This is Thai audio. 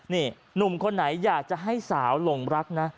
นี่หนุ่มคนไหนอยากจะให้สาวหลงรักนะ